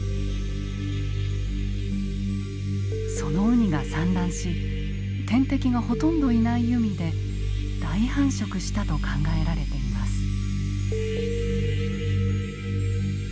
そのウニが産卵し天敵がほとんどいない海で大繁殖したと考えられています。